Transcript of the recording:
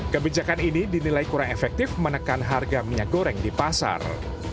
kebijakan ini dinilai kurang efektif menekan harga minyak goreng di pasar